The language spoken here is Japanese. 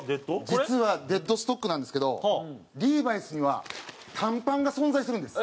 実はデッドストックなんですけどリーバイスには短パンが存在するんです。